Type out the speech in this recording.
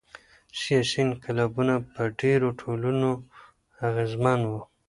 سیاسي انقلابونه په ډیرو ټولنو اغیزمن وو.